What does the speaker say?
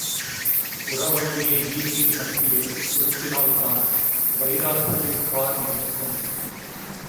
உரவண்டியை வீதியின் மத்தியில் உருட்டினால்தான் வைசிராயின் கார் நிற்கும்.